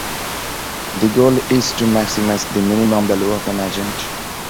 The goal is to maximize the minimum value of an agent.